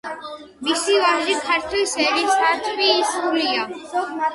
მისი ვაჟი ქართლის ერისთავი სულა.